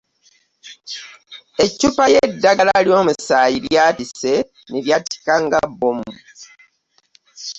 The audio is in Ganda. Eccupa ye ddagala lyomusaayi lyayatise nelyatika nga bbomu.